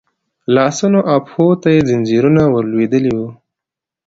لاسونو او پښو ته يې ځنځيرونه ور لوېدلي وو.